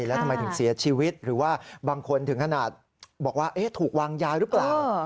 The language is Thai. แล้วทำไมถึงเสียชีวิตหรือว่าบางคนถึงขนาดบอกว่าถูกวางยาหรือเปล่า